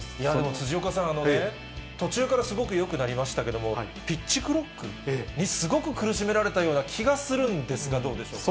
辻岡さん、途中からすごくよくなりましたけども、ピッチクロックにすごく苦しめられたような気がするんですが、どうでしょうか。